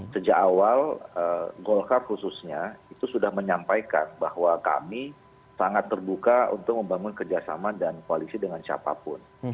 sejak awal golkar khususnya itu sudah menyampaikan bahwa kami sangat terbuka untuk membangun kerjasama dan koalisi dengan siapapun